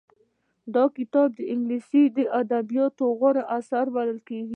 دا کتاب د انګلیسي ادبیاتو غوره اثر بلل کېږي